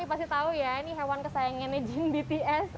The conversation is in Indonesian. tapi pasti tau ya ini hewan kesayangannya jin bts